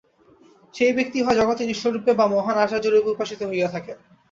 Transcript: সেই ব্যক্তি হয় জগতের ঈশ্বররূপে বা মহান আচার্যরূপে উপাসিত হইয়া থাকেন।